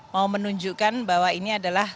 mau menunjukkan bahwa ini adalah